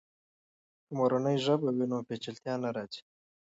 که مورنۍ ژبه وي، نو پیچلتیا نه راځي.